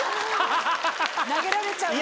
投げられちゃうんだ。